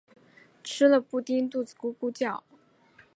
吃了布丁肚子咕噜叫